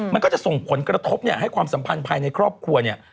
มันก็จะส่งผลกระทบเนี่ยให้ความสัมพันธ์ภายในครอบครัวเนี่ย